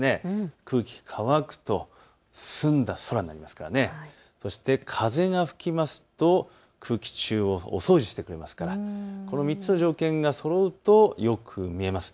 空気、乾くと澄んだ空になりますからそして風が吹きますと空気中をお掃除してくれますから、この３つの条件がそろうとよく見えます。